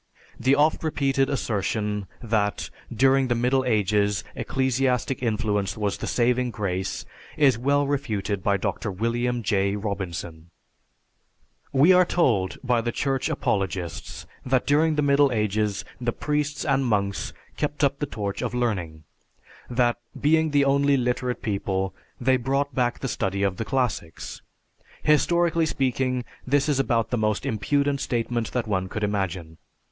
The oft repeated assertion that, during the Middle Ages, ecclesiastic influence was the saving grace is well refuted by Dr. William J. Robinson: "We are told by the Church apologists that during the Middle Ages the priests and monks kept up the torch of learning, that, being the only literate people, they brought back the study of the classics. Historically speaking, this is about the most impudent statement that one could imagine.